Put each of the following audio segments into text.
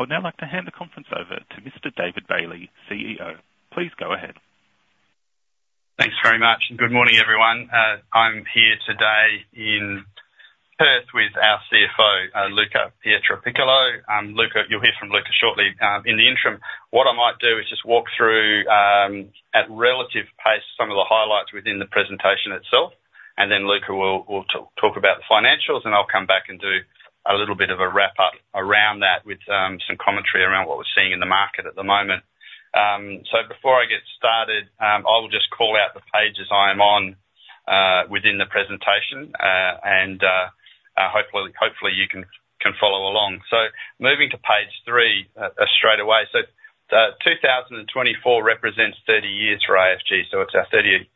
I would now like to hand the conference over to Mr. David Bailey, CEO. Please go ahead. Thanks very much, and good morning, everyone. I'm here today in Perth with our CFO, Luca Pietropiccolo. Luca. You'll hear from Luca shortly. In the interim, what I might do is just walk through at relative pace some of the highlights within the presentation itself, and then Luca will talk about the financials, and I'll come back and do a little bit of a wrap-up around that with some commentary around what we're seeing in the market at the moment. So before I get started, I will just call out the pages I am on within the presentation, and hopefully you can follow along. So moving to page three, straight away. So, two thousand and twenty-four represents 30 years for AFG, so it's our 30th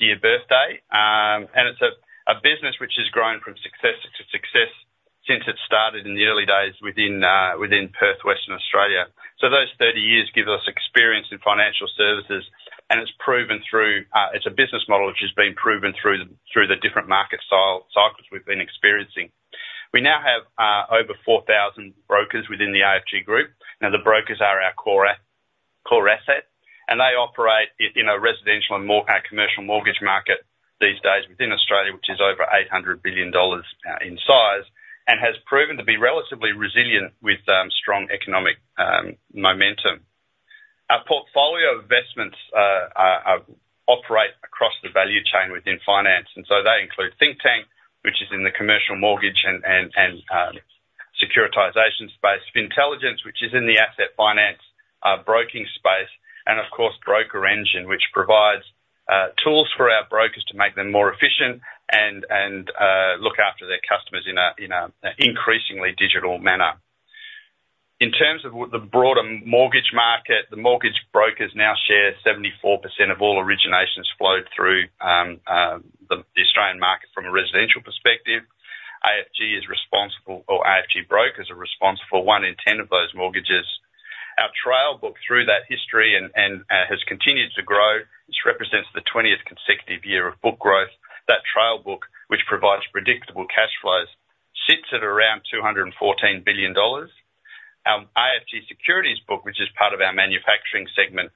year birthday. And it's a business which has grown from success to success since it started in the early days within Perth, Western Australia. So those thirty years gives us experience in financial services, and it's proven through. It's a business model which has been proven through the different market cycles we've been experiencing. We now have over four thousand brokers within the AFG group. Now, the brokers are our core asset, and they operate in a residential and our commercial mortgage market these days within Australia, which is over 800 billion dollars in size, and has proven to be relatively resilient with strong economic momentum. Our portfolio of investments operate across the value chain within finance, and so they include Thinktank, which is in the commercial mortgage and securitization space. Fintelligence, which is in the asset finance, broking space, and of course, BrokerEngine, which provides, tools for our brokers to make them more efficient and look after their customers in an increasingly digital manner. In terms of the broader mortgage market, the mortgage brokers now share 74% of all originations flowed through the Australian market from a residential perspective. AFG is responsible, or AFG brokers are responsible for one in ten of those mortgages. Our trail book through that history has continued to grow, which represents the twentieth consecutive year of book growth. That trail book, which provides predictable cash flows, sits at around 214 billion dollars. AFG Securities book, which is part of our manufacturing segment,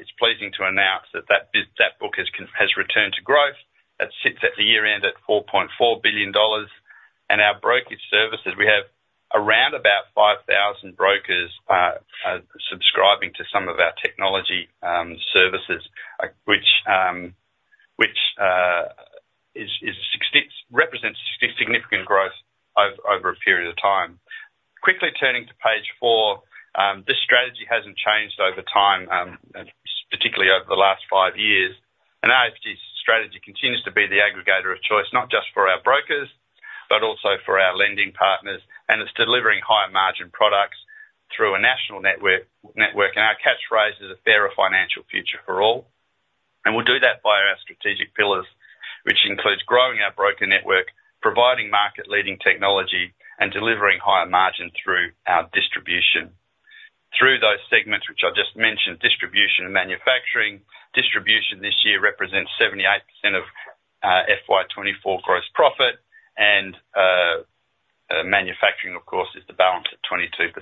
it's pleasing to announce that that book has returned to growth. That sits at the year-end at 4.4 billion dollars. Our brokerage services, we have around about 5,000 brokers subscribing to some of our technology services, which represents significant growth over a period of time. Quickly turning to page 4, this strategy hasn't changed over time, particularly over the last 5 years. AFG's strategy continues to be the aggregator of choice, not just for our brokers, but also for our lending partners, and it's delivering higher margin products through a national network. Our catchphrase is, "A fairer financial future for all." We'll do that via our strategic pillars, which includes growing our broker network, providing market-leading technology, and delivering higher margin through our distribution. Through those segments, which I've just mentioned, distribution and manufacturing. Distribution this year represents 78% of FY 2024 gross profit, and manufacturing, of course, is the balance at 22%.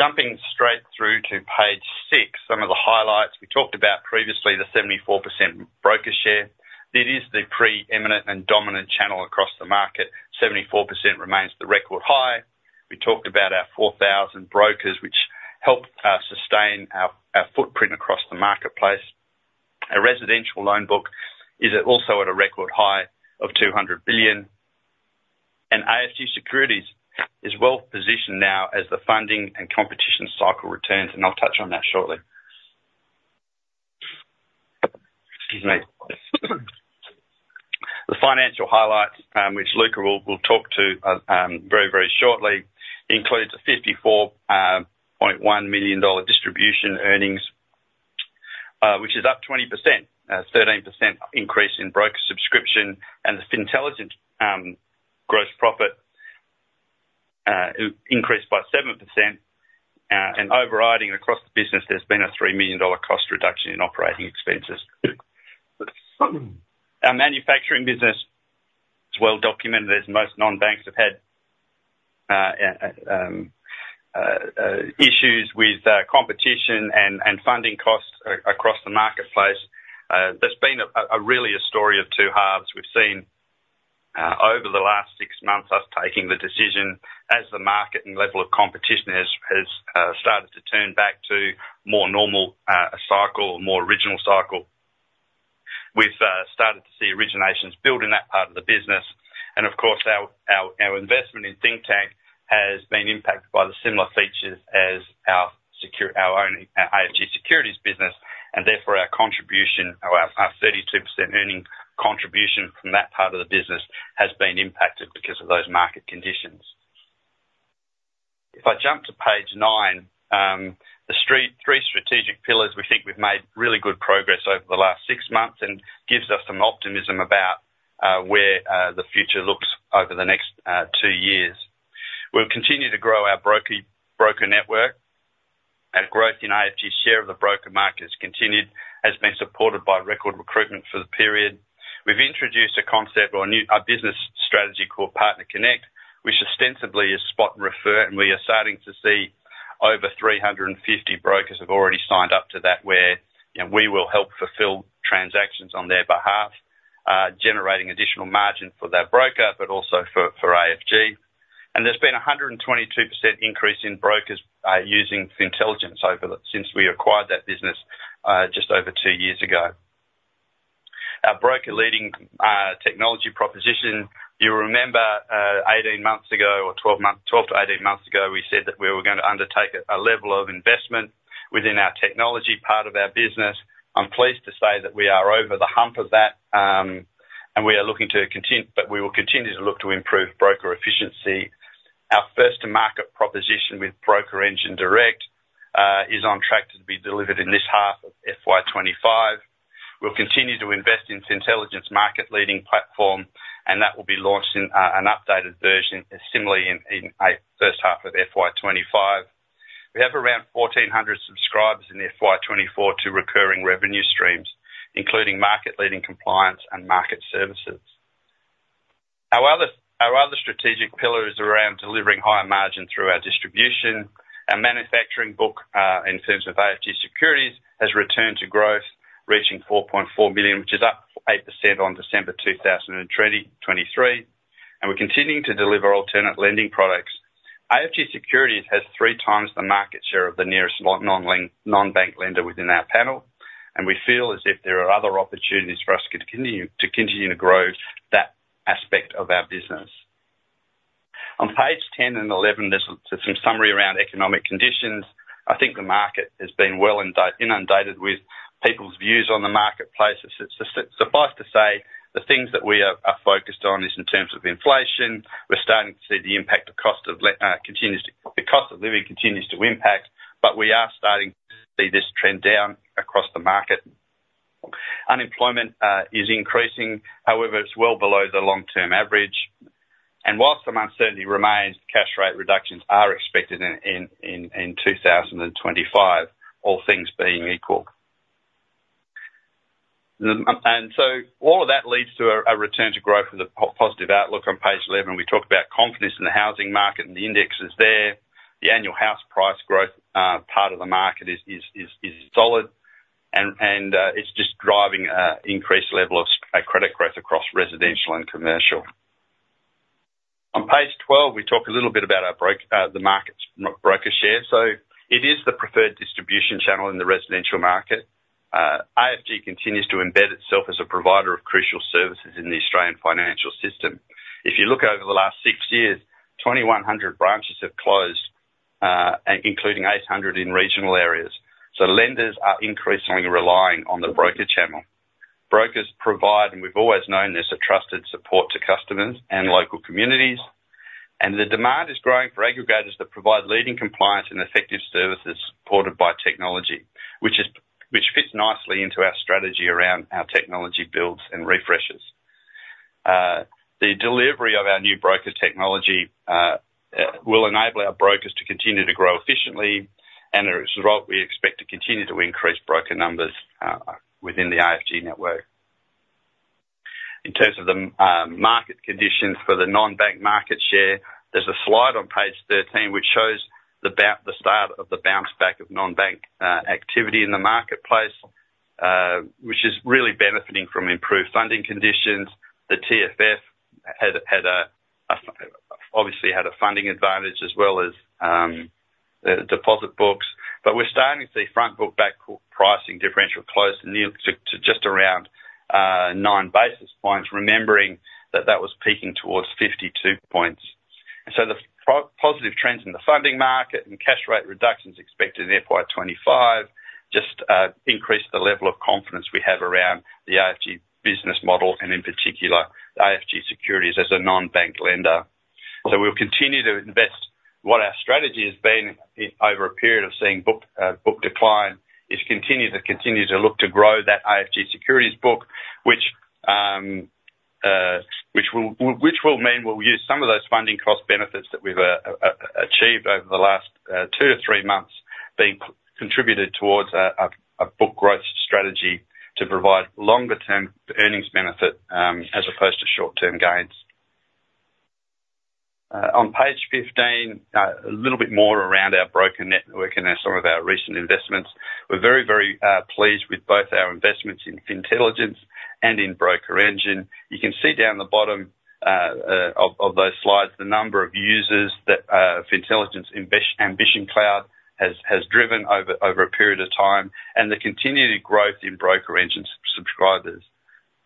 Jumping straight through to page six, some of the highlights we talked about previously, the 74% broker share. It is the preeminent and dominant channel across the market. 74% remains the record high. We talked about our 4,000 brokers, which helped sustain our footprint across the marketplace. Our residential loan book is also at a record high of 200 billion, and AFG Securities is well-positioned now as the funding and competition cycle returns, and I'll touch on that shortly. Excuse me. The financial highlights, which Luca will talk to very, very shortly, includes a 54.1 million dollar distribution earnings, which is up 20%. 13% increase in broker subscription and the Fintelligence gross profit increased by 7%, and overriding across the business, there's been a 3 million dollar cost reduction in operating expenses. Our manufacturing business is well documented, as most non-banks have had issues with competition and funding costs across the marketplace. There's been a real story of two halves. We've seen over the last six months, us taking the decision as the market and level of competition has started to turn back to more normal cycle, more original cycle. We've started to see originations build in that part of the business, and of course, our investment in Thinktank has been impacted by the similar features as our secur-- our own AFG Securities business, and therefore, our contribution or our 32% earning contribution from that part of the business has been impacted because of those market conditions. If I jump to page nine, the three strategic pillars, we think we've made really good progress over the last six months and gives us some optimism about where the future looks over the next two years. We'll continue to grow our broker network. AFG's share of the broker market has continued, has been supported by record recruitment for the period. We've introduced a concept or a new business strategy called Partner Connect, which ostensibly is spot and refer, and we are starting to see over three hundred and fifty brokers have already signed up to that, where, you know, we will help fulfill transactions on their behalf, generating additional margin for that broker, but also for AFG. And there's been a 122% increase in brokers using Fintelligence since we acquired that business just over two years ago. Our broker-leading technology proposition, you'll remember, eighteen months ago, or twelve to eighteen months ago, we said that we were going to undertake a level of investment within our technology part of our business. I'm pleased to say that we are over the hump of that, and we are looking to but we will continue to look to improve broker efficiency. Our first to market proposition with BrokerEngine Direct is on track to be delivered in this half of FY 2025. We'll continue to invest in Fintelligence market-leading platform, and that will be launched in an updated version, similarly in first half of FY 2025. We have around 1,400 subscribers in the FY 2024 to recurring revenue streams, including market-leading compliance and market services. Our other strategic pillar is around delivering higher margin through our distribution. Our manufacturing book, in terms of AFG Securities, has returned to growth, reaching 4.4 billion, which is up 8% on December 2023, and we're continuing to deliver alternate lending products. AFG Securities has three times the market share of the nearest non-bank lender within our panel, and we feel as if there are other opportunities for us to continue to grow that aspect of our business. On page ten and eleven, there's some summary around economic conditions. I think the market has been well inundated with people's views on the marketplace. It suffices to say, the things that we are focused on is in terms of inflation. We're starting to see the impact of the cost of living. The cost of living continues to impact, but we are starting to see this trend down across the market. Unemployment is increasing, however, it's well below the long-term average, and whilst some uncertainty remains, cash rate reductions are expected in two thousand and twenty-five, all things being equal. And so all of that leads to a return to growth and a positive outlook. On page 11, we talk about confidence in the housing market, and the index is there. The annual house price growth part of the market is solid, and it's just driving a increased level of credit growth across residential and commercial. On page 12, we talk a little bit about the market's broker share. So it is the preferred distribution channel in the residential market. AFG continues to embed itself as a provider of crucial services in the Australian financial system. If you look over the last six years, 2,100 branches have closed, including 800 in regional areas, so lenders are increasingly relying on the broker channel. Brokers provide, and we've always known this, a trusted support to customers and local communities, and the demand is growing for aggregators that provide leading compliance and effective services supported by technology, which fits nicely into our strategy around our technology builds and refreshes. The delivery of our new broker technology will enable our brokers to continue to grow efficiently, and as a result, we expect to continue to increase broker numbers within the AFG network. In terms of the market conditions for the non-bank market share, there's a slide on page 13 which shows the start of the bounce back of non-bank activity in the marketplace, which is really benefiting from improved funding conditions. The TFF had a obviously had a funding advantage as well as deposit books, but we're starting to see front book-back pricing differential close to near just around nine basis points, remembering that that was peaking towards 52 points. And so the positive trends in the funding market and cash rate reductions expected in FY 2025 just increase the level of confidence we have around the AFG business model and in particular, AFG Securities as a non-bank lender. So we'll continue to invest. What our strategy has been over a period of seeing book decline is continue to look to grow that AFG Securities book, which will mean we'll use some of those funding cost benefits that we've achieved over the last two to three months, being contributed towards a book growth strategy to provide longer-term earnings benefit as opposed to short-term gains. On page fifteen, a little bit more around our broker network and some of our recent investments. We're very pleased with both our investments in Fintelligence and in BrokerEngine. You can see down the bottom of those slides, the number of users that Fintelligence Ambition Cloud has driven over a period of time, and the continued growth in BrokerEngine subscribers.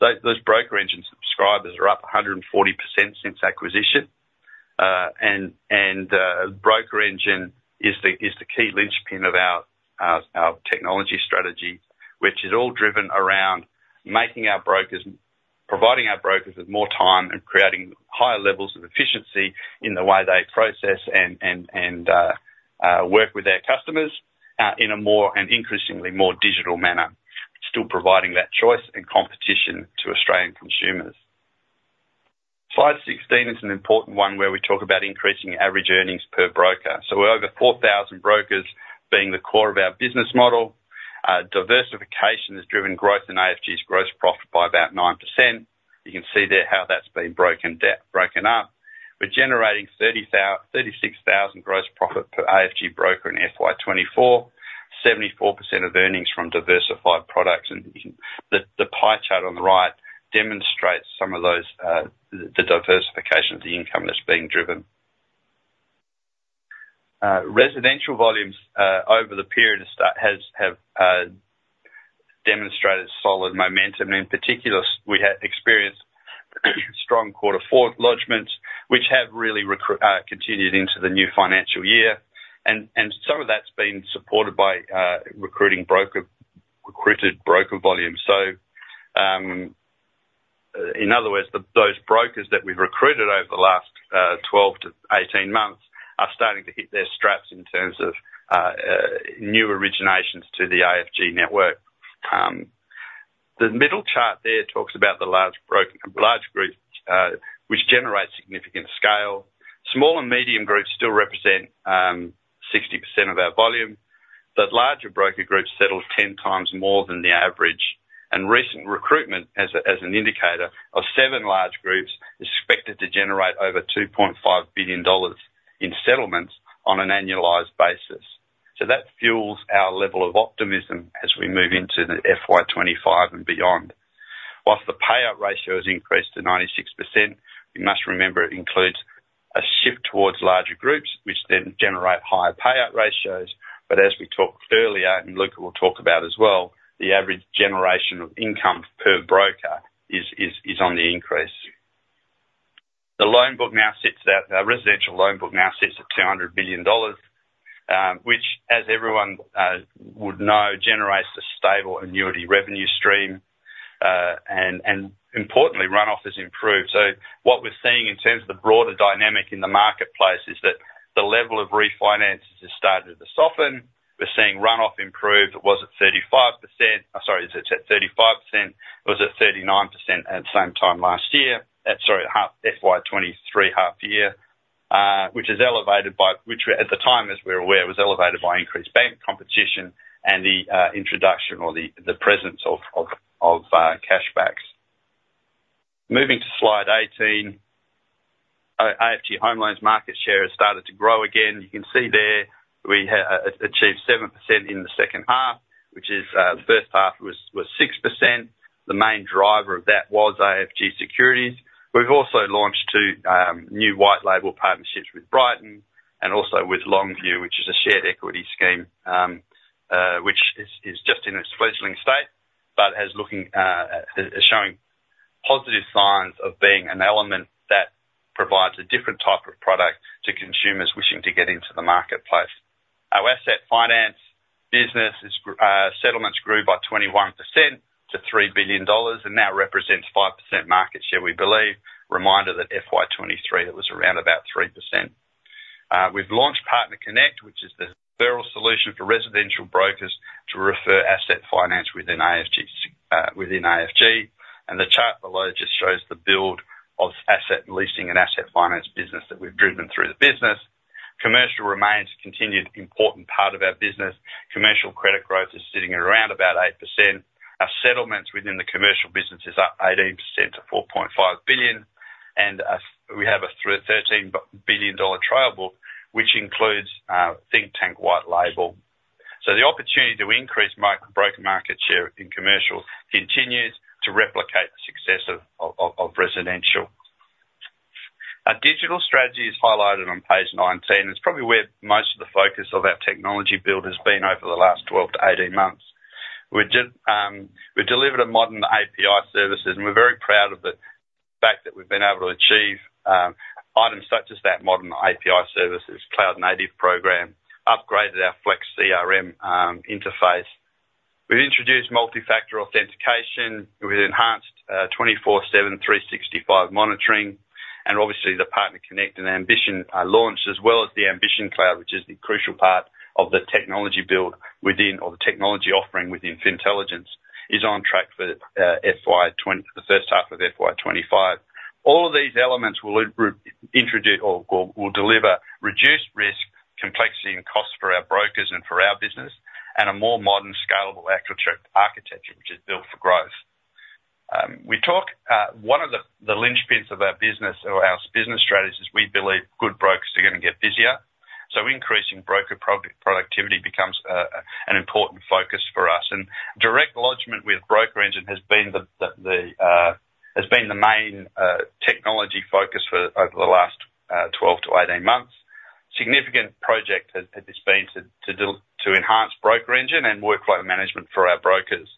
Those BrokerEngine subscribers are up 140% since acquisition, and BrokerEngine is the key linchpin of our technology strategy, which is all driven around providing our brokers with more time and creating higher levels of efficiency in the way they process and work with their customers, in a more and increasingly more digital manner, still providing that choice and competition to Australian consumers. Slide 16 is an important one, where we talk about increasing average earnings per broker. So we're over 4,000 brokers being the core of our business model. Diversification has driven growth in AFG's gross profit by about 9%. You can see there how that's been broken down, broken up. We're generating 36,000 gross profit per AFG broker in FY 2024, 74% of earnings from diversified products, and the pie chart on the right demonstrates some of those, the diversification of the income that's being driven. Residential volumes over the period of start have demonstrated solid momentum. In particular, we have experienced strong quarter four lodgements, which have really continued into the new financial year. And some of that's been supported by recruited broker volumes. So, in other words, those brokers that we've recruited over the last 12 to 18 months are starting to hit their straps in terms of new originations to the AFG network. The middle chart there talks about the large broker, large groups, which generate significant scale. Small and medium groups still represent 60% of our volume, but larger broker groups settle ten times more than the average, and recent recruitment as an indicator of seven large groups is expected to generate over 2.5 billion dollars in settlements on an annualized basis, so that fuels our level of optimism as we move into FY 2025 and beyond. While the payout ratio has increased to 96%, we must remember it includes a shift towards larger groups, which then generate higher payout ratios, but as we talked earlier, and Luca will talk about as well, the average generation of income per broker is on the increase. Our residential loan book now sits at 200 billion dollars, which, as everyone would know, generates a stable annuity revenue stream. And importantly, runoff has improved. So what we're seeing in terms of the broader dynamic in the marketplace is that the level of refinances has started to soften. We're seeing runoff improve. It was at 35%... it's at 35%. It was at 39% at the same time last year at half, FY 2023 half year, which is elevated by, which at the time, as we're aware, was elevated by increased bank competition and the introduction or the presence of cash backs. Moving to slide 18, AFG Home Loans market share has started to grow again. You can see there, we have achieved 7% in the second half, which is the first half was 6%. The main driver of that was AFG Securities. We've also launched two new white label partnerships with Brighten and also with LongView, which is a shared equity scheme, which is just in its fledgling state, but is looking is showing positive signs of being an element that provides a different type of product to consumers wishing to get into the marketplace. Our asset finance business settlements grew by 21% to 3 billion dollars and now represents 5% market share, we believe. Reminder that FY 2023, it was around about 3%. We've launched Partner Connect, which is the referral solution for residential brokers to refer asset finance within AFG. And the chart below just shows the build of asset leasing and asset finance business that we've driven through the business. Commercial remains a continued important part of our business. Commercial credit growth is sitting at around about 8%. Our settlements within the commercial business is up 18% to 4.5 billion. And we have a 13 billion dollar trail book, which includes, Thinktank white label. So the opportunity to increase broker market share in commercial continues to replicate the success of residential. Our digital strategy is highlighted on page 19. It's probably where most of the focus of our technology build has been over the last 12 to 18 months. We've just, we've delivered a modern API services, and we're very proud of the fact that we've been able to achieve, items such as that modern API services, cloud native program, upgraded our FLEX CRM, interface. We've introduced multi-factor authentication with enhanced 24/7, 365 monitoring, and obviously the Partner Connect and Ambition launch, as well as the Ambition Cloud, which is the crucial part of the technology build within or the technology offering within Fintelligence, is on track for the first half of FY 2025. All of these elements will introduce or will deliver reduced risk, complexity, and costs for our brokers and for our business, and a more modern, scalable architecture which is built for growth. One of the linchpins of our business or our business strategies is we believe good brokers are going to get busier, so increasing broker productivity becomes an important focus for us. Direct lodgement with BrokerEngine has been the main technology focus for over the last 12-18 months. This has been a significant project to enhance BrokerEngine and workflow management for our brokers.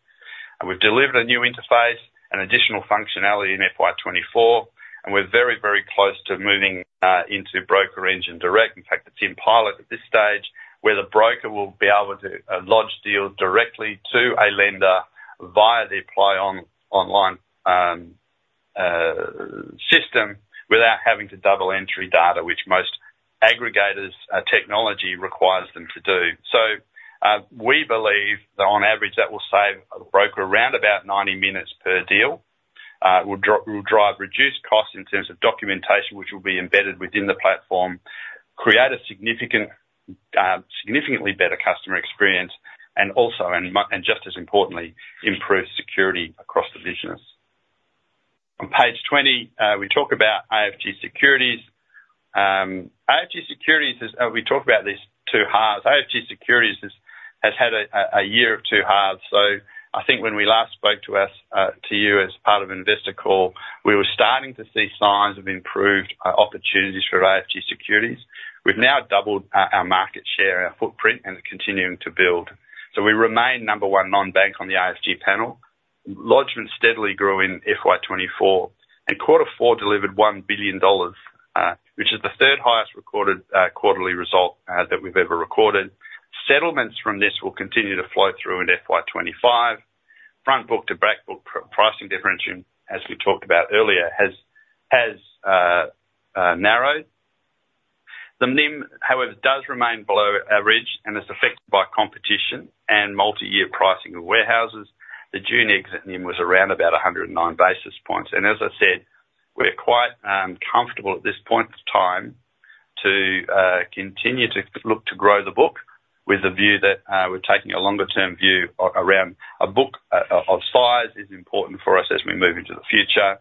And we've delivered a new interface and additional functionality in FY 2024, and we're very, very close to moving into BrokerEngine Direct. In fact, it's in pilot at this stage, where the broker will be able to lodge deals directly to a lender via the ApplyOnline system, without having to double entry data, which most aggregators' technology requires them to do. So, we believe that on average, that will save a broker around about 90 minutes per deal. It will drive reduced costs in terms of documentation, which will be embedded within the platform, create significantly better customer experience, and just as importantly, improve security across the business. On page twenty, we talk about AFG Securities. AFG Securities is, we talk about these two halves. AFG Securities has had a year of two halves. So I think when we last spoke to you as part of investor call, we were starting to see signs of improved opportunities for AFG Securities. We've now doubled our market share, our footprint, and are continuing to build. So we remain number one non-bank on the AFG panel. Lodgements steadily grew in FY 2024 and quarter four delivered 1 billion dollars, which is the third highest recorded quarterly result that we've ever recorded. Settlements from this will continue to flow through into FY 2025. Front book to back book pricing differentiation, as we talked about earlier, has narrowed. The NIM, however, does remain below our average and is affected by competition and multi-year pricing of warehouses. The June exit NIM was around about 109 basis points, and as I said, we're quite comfortable at this point of time to continue to look to grow the book, with a view that we're taking a longer-term view around a book of size is important for us as we move into the future.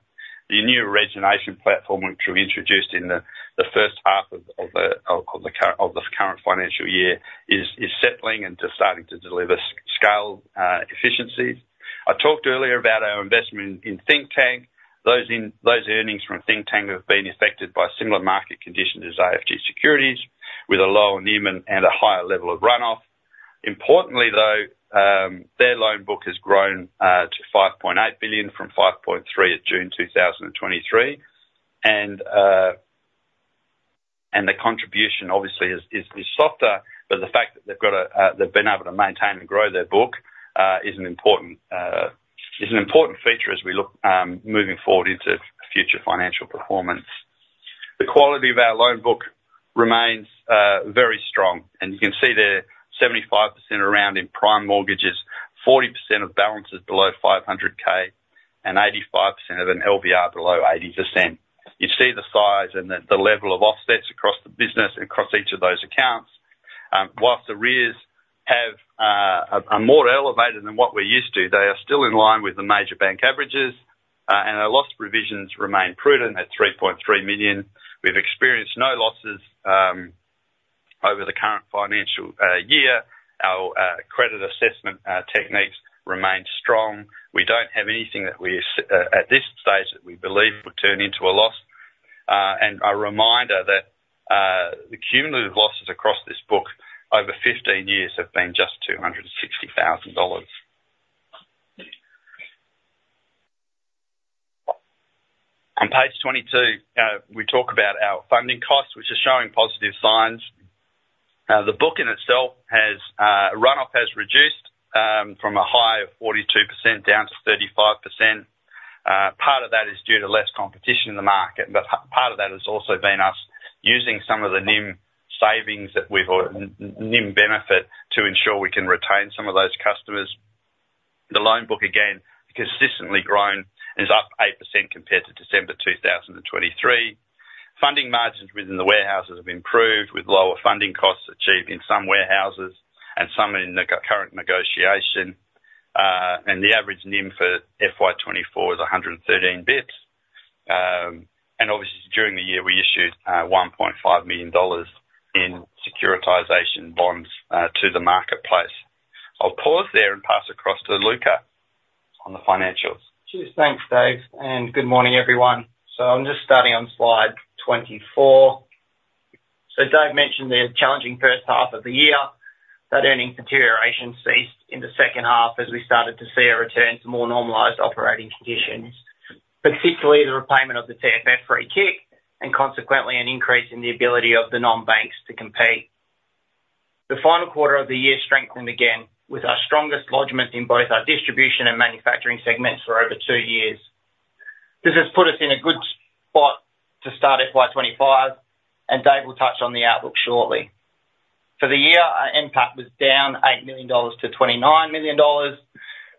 The new origination platform, which we introduced in the first half of the current financial year, is settling and just starting to deliver scale efficiencies. I talked earlier about our investment in Thinktank. Those earnings from Thinktank have been affected by similar market conditions as AFG Securities, with a lower NIM and a higher level of runoff. Importantly, though, their loan book has grown to 5.8 billion from 5.3 at June two thousand and twenty-three, and the contribution obviously is softer, but the fact that they've been able to maintain and grow their book is an important feature as we look moving forward into future financial performance. The quality of our loan book remains very strong, and you can see there 75% around in prime mortgages, 40% of balance is below 500K, and 85% have an LVR below 80%. You see the size and the level of offsets across the business, across each of those accounts. Whilst arrears are more elevated than what we're used to, they are still in line with the major bank averages, and our loss provisions remain prudent at 3.3 million. We've experienced no losses over the current financial year. Our credit assessment techniques remain strong. We don't have anything that, at this stage, we believe would turn into a loss. And a reminder that, the cumulative losses across this book over 15 years have been just 260,000 dollars. On page 22, we talk about our funding costs, which are showing positive signs. The book in itself has, runoff has reduced, from a high of 42% down to 35%. Part of that is due to less competition in the market, but part of that has also been us using some of the NIM savings that we've or NIM benefit to ensure we can retain some of those customers. The loan book, again, consistently grown, and is up 8% compared to December 2023. Funding margins within the warehouses have improved, with lower funding costs achieved in some warehouses and some in the current negotiation. And the average NIM for FY 2024 is 113 basis points. And obviously, during the year, we issued 1.5 million dollars in securitization bonds to the marketplace. I'll pause there and pass across to Luca on the financials. Cheers. Thanks, Dave, and good morning, everyone. I'm just starting on slide 24. Dave mentioned the challenging first half of the year, that earning deterioration ceased in the second half as we started to see a return to more normalized operating conditions. Particularly, the repayment of the TFF free kick, and consequently, an increase in the ability of the non-banks to compete. The final quarter of the year strengthened again with our strongest lodgements in both our distribution and manufacturing segments for over two years. This has put us in a good spot to start FY 2025, and Dave will touch on the outlook shortly. For the year, our NPAT was down 8 million dollars to 29 million dollars.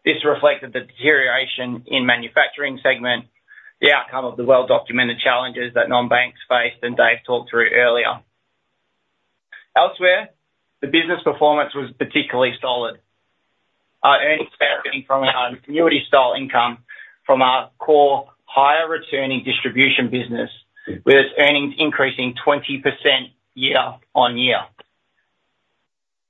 This reflected the deterioration in manufacturing segment, the outcome of the well-documented challenges that non-banks faced, and Dave talked through earlier. Elsewhere, the business performance was particularly solid. Our earnings stemming from our annuity style income from our core higher returning distribution business, with its earnings increasing 20% year-on-year.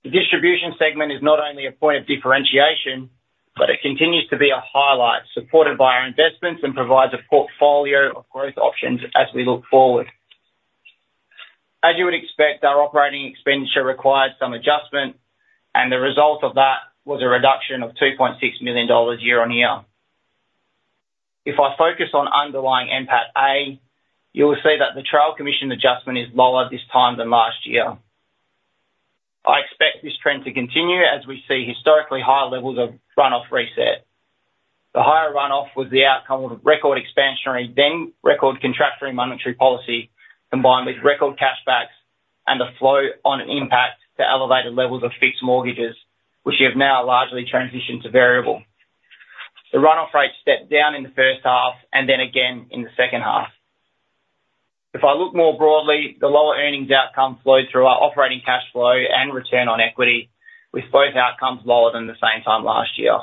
The distribution segment is not only a point of differentiation, but it continues to be a highlight supported by our investments, and provides a portfolio of growth options as we look forward. As you would expect, our operating expenditure required some adjustment, and the result of that was a reduction of 2.6 million dollars year-on-year. If I focus on underlying NPATA, you will see that the trail commission adjustment is lower this time than last year. The trend to continue as we see historically high levels of run-off reset. The higher runoff was the outcome of record expansionary, then record contractionary monetary policy, combined with record cash backs and the flow on an impact to elevated levels of fixed mortgages, which have now largely transitioned to variable. The runoff rate stepped down in the first half and then again in the second half. If I look more broadly, the lower earnings outcome flowed through our operating cash flow and return on equity, with both outcomes lower than the same time last year.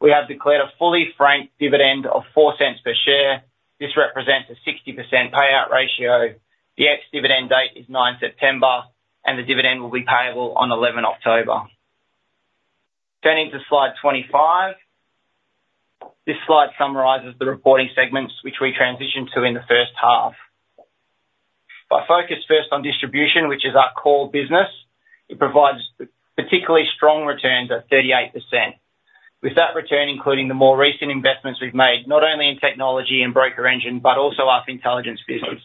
We have declared a fully franked dividend of 0.04 per share. This represents a 60% payout ratio. The ex-dividend date is ninth September, and the dividend will be payable on eleventh October. Turning to slide 25. This slide summarizes the reporting segments which we transitioned to in the first half. If I focus first on distribution, which is our core business, it provides particularly strong returns at 38%, with that return, including the more recent investments we've made, not only in technology and BrokerEngine, but also our Fintelligence business.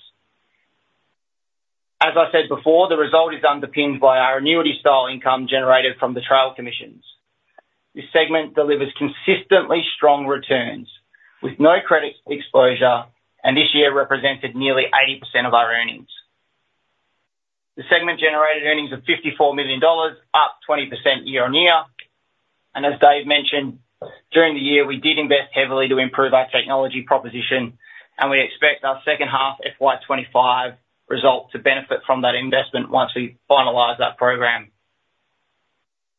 As I said before, the result is underpinned by our annuity style income generated from the trail commissions. This segment delivers consistently strong returns with no credit exposure, and this year represented nearly 80% of our earnings. The segment generated earnings of 54 million dollars, up 20% year-on-year, and as Dave mentioned, during the year, we did invest heavily to improve our technology proposition, and we expect our second half FY 2025 result to benefit from that investment once we finalize that program.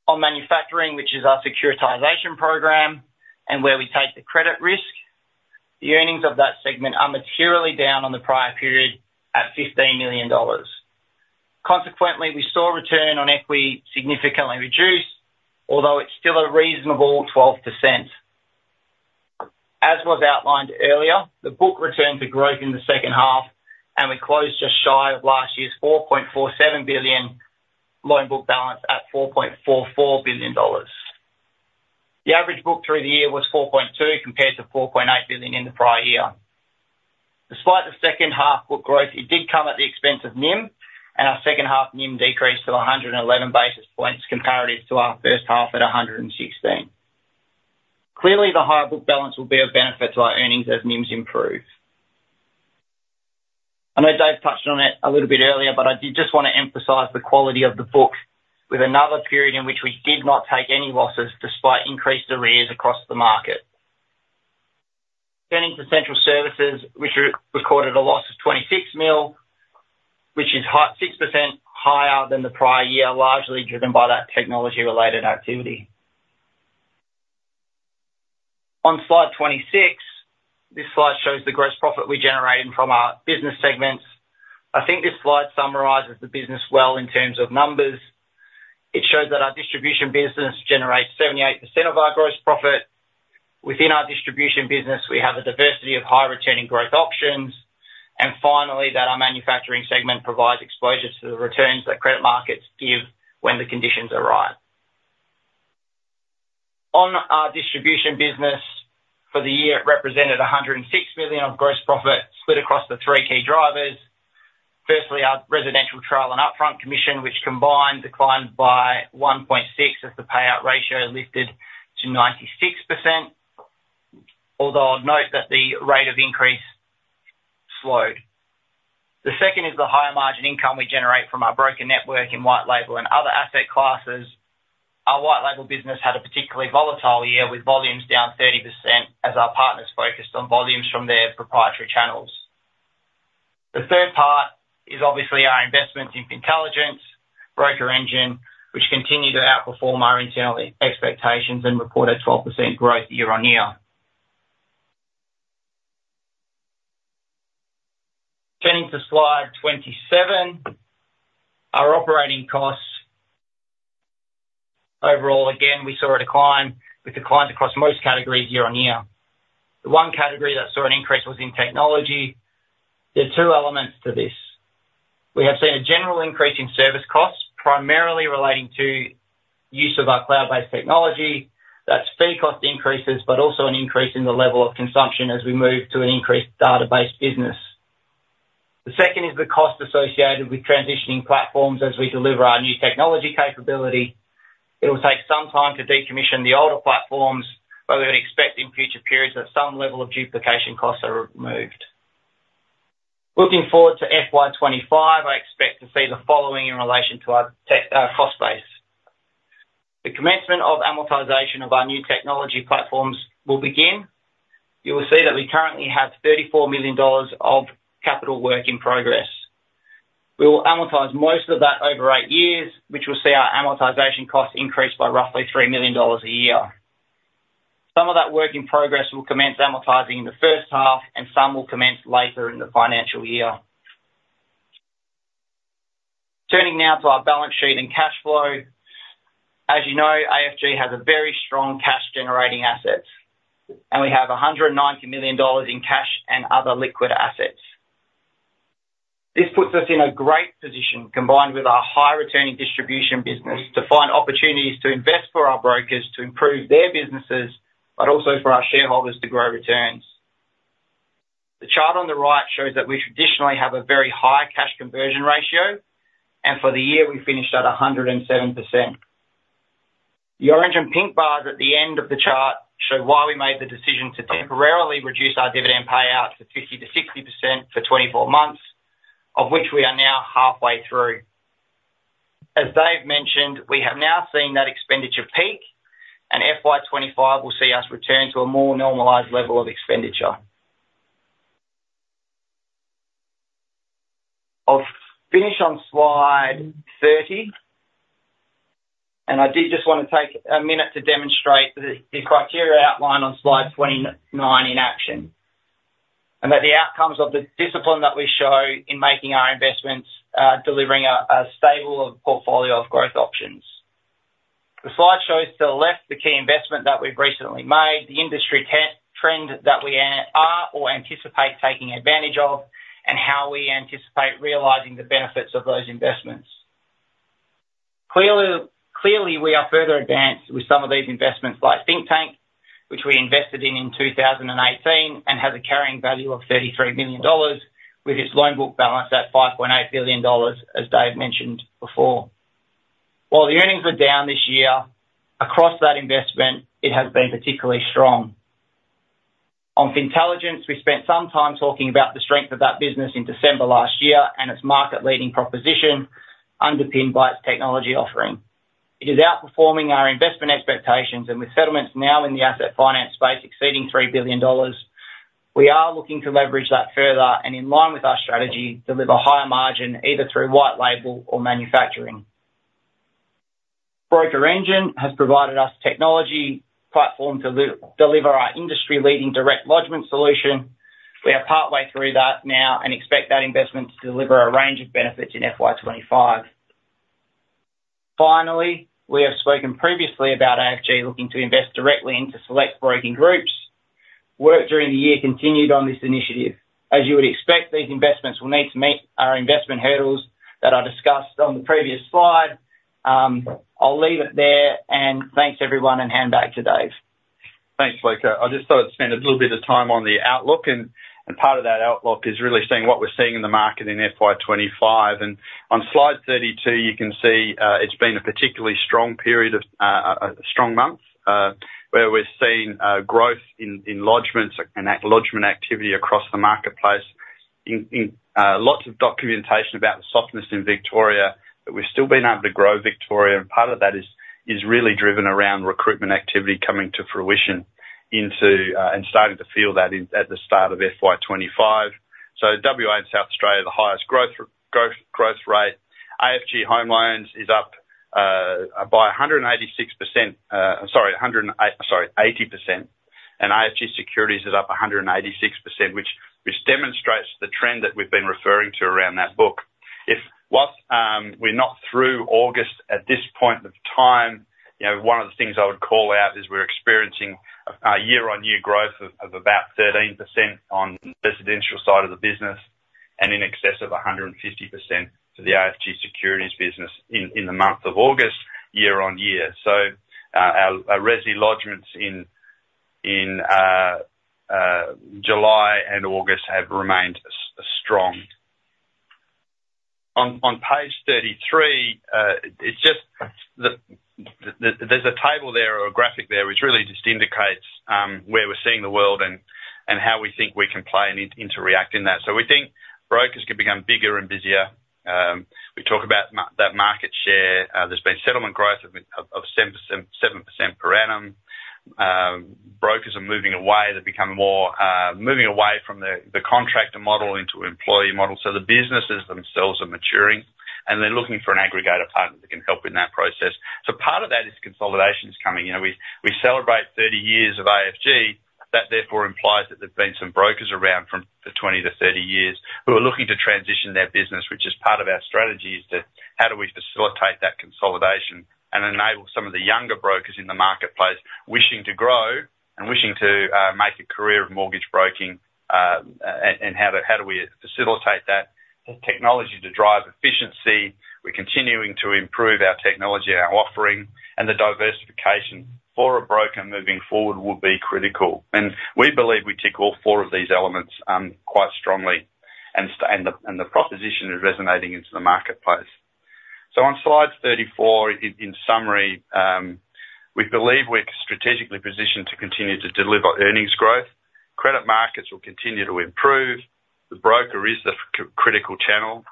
On manufacturing, which is our securitization program and where we take the credit risk, the earnings of that segment are materially down on the prior period at 15 million dollars. Consequently, we saw return on equity significantly reduced, although it's still a reasonable 12%. As was outlined earlier, the book returned to growth in the second half, and we closed just shy of last year's 4.47 billion loan book balance at 4.44 billion dollars. The average book through the year was 4.2, compared to 4.8 billion in the prior year. Despite the second half book growth, it did come at the expense of NIM, and our second half NIM decreased to 111 basis points, comparative to our first half at 116. Clearly, the higher book balance will be of benefit to our earnings as NIMs improve. I know Dave touched on it a little bit earlier, but I did just want to emphasize the quality of the book with another period in which we did not take any losses despite increased arrears across the market. Turning to central services, which recorded a loss of 26 million, which is high, 6% higher than the prior year, largely driven by that technology-related activity. On slide 26, this slide shows the gross profit we generated from our business segments. I think this slide summarizes the business well in terms of numbers. It shows that our distribution business generates 78% of our gross profit. Within our distribution business, we have a diversity of high returning growth options, and finally, that our manufacturing segment provides exposure to the returns that credit markets give when the conditions arise. On our distribution business, for the year, it represented 106 million of gross profit split across the three key drivers. Firstly, our residential trail and upfront commission, which combined, declined by 1.6 as the payout ratio lifted to 96%. Although I'd note that the rate of increase slowed. The second is the higher margin income we generate from our broker network in white label and other asset classes. Our white label business had a particularly volatile year, with volumes down 30% as our partners focused on volumes from their proprietary channels. The third part is obviously our investments in Fintelligence, BrokerEngine, which continue to outperform our internal expectations and report a 12% growth year-on-year. Turning to slide twenty-seven, our operating costs. Overall, again, we saw a decline, with declines across most categories year-on-year. The one category that saw an increase was in technology. There are two elements to this. We have seen a general increase in service costs, primarily relating to use of our cloud-based technology, that's fee cost increases, but also an increase in the level of consumption as we move to an increased database business. The second is the cost associated with transitioning platforms as we deliver our new technology capability. It will take some time to decommission the older platforms, but we would expect in future periods that some level of duplication costs are removed. Looking forward to FY 2025, I expect to see the following in relation to our tech cost base. The commencement of amortization of our new technology platforms will begin. You will see that we currently have 34 million dollars of capital work in progress. We will amortize most of that over eight years, which will see our amortization costs increase by roughly 3 million dollars a year. Some of that work in progress will commence amortizing in the first half, and some will commence later in the financial year. Turning now to our balance sheet and cash flow. As you know, AFG has a very strong cash-generating asset, and we have 190 million dollars in cash and other liquid assets. This puts us in a great position, combined with our high-returning distribution business, to find opportunities to invest for our brokers to improve their businesses, but also for our shareholders to grow returns. The chart on the right shows that we traditionally have a very high cash conversion ratio, and for the year, we finished at 107%. The orange and pink bars at the end of the chart show why we made the decision to temporarily reduce our dividend payout to 50%-60% for 24 months, of which we are now halfway through. As Dave mentioned, we have now seen that expenditure peak, and FY 2025 will see us return to a more normalized level of expenditure. I'll finish on slide 30, and I did just want to take a minute to demonstrate the criteria outlined on slide 29 in action, and that the outcomes of the discipline that we show in making our investments, delivering a stable of portfolio of growth options. The slide shows to the left the key investment that we've recently made, the industry trend that we are or anticipate taking advantage of, and how we anticipate realizing the benefits of those investments. Clearly, we are further advanced with some of these investments, like Thinktank, which we invested in in two thousand and eighteen, and has a carrying value of 33 million dollars, with its loan book balance at 5.8 billion dollars, as Dave mentioned before. While the earnings are down this year, across that investment, it has been particularly strong. On Fintelligence, we spent some time talking about the strength of that business in December last year and its market-leading proposition underpinned by its technology offering. It is outperforming our investment expectations, and with settlements now in the asset finance space exceeding 3 billion dollars, we are looking to leverage that further, and in line with our strategy, deliver higher margin, either through white label or manufacturing. BrokerEngine has provided us technology platform to deliver our industry-leading direct lodgment solution. We are partway through that now and expect that investment to deliver a range of benefits in FY 2025. Finally, we have spoken previously about AFG looking to invest directly into select broking groups. Work during the year continued on this initiative. As you would expect, these investments will need to meet our investment hurdles that I discussed on the previous slide. I'll leave it there, and thanks, everyone, and hand back to Dave. Thanks, Luca. I just thought I'd spend a little bit of time on the outlook, and part of that outlook is really seeing what we're seeing in the market in FY 2025. On slide 32, you can see it's been a particularly strong period of strong months where we're seeing growth in lodgments and lodgment activity across the marketplace. In lots of documentation about the softness in Victoria, but we've still been able to grow Victoria, and part of that is really driven around recruitment activity coming to fruition and starting to feel that in at the start of FY 2025. So WA and South Australia are the highest growth rate. AFG Home Loans is up by 186%, sorry, 108%. Sorry, 80%, and AFG Securities is up 186%, which demonstrates the trend that we've been referring to around that book. If whilst we're not through August at this point of time, you know, one of the things I would call out is we're experiencing a year-on-year growth of about 13% on the residential side of the business, and in excess of 150% for the AFG Securities business in the month of August, year on year. So, our resi lodgements in July and August have remained strong. On page 33, it's just the, there's a table there or a graphic there, which really just indicates where we're seeing the world and how we think we can play into reacting that. So we think brokers can become bigger and busier. We talk about that market share. There's been settlement growth of 7% per annum. Brokers are moving away from the contractor model into employee model. So the businesses themselves are maturing, and they're looking for an aggregator partner that can help in that process. So part of that is consolidation is coming. You know, we celebrate thirty years of AFG. That therefore implies that there's been some brokers around for 20 to 30 years who are looking to transition their business, which is part of our strategy, is to how do we facilitate that consolidation and enable some of the younger brokers in the marketplace wishing to grow and wishing to make a career of mortgage broking, and how do we facilitate that? Technology to drive efficiency. We're continuing to improve our technology and our offering, and the diversification for a broker moving forward will be critical. And we believe we tick all four of these elements quite strongly, and the proposition is resonating into the marketplace. So on slide 34, in summary, we believe we're strategically positioned to continue to deliver earnings growth. Credit markets will continue to improve. The broker is the critical channel.